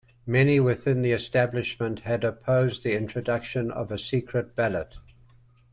Many within the establishment had opposed the introduction of a secret ballot.